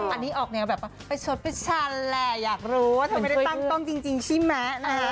อันนี้ออกเลยเป็นแบบว่าไปชดไปชันแหละอยากรู้ทำไมไม่ได้ตั้งต้องจริงใช่ไหม